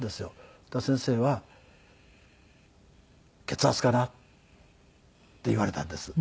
そしたら先生は「血圧かな」って言われたんです。